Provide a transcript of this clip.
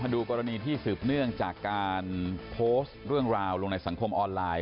ดูกรณีที่สืบเนื่องจากการโพสต์เรื่องราวลงในสังคมออนไลน์